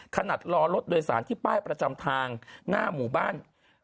รอรถโดยสารที่ป้ายประจำทางหน้าหมู่บ้าน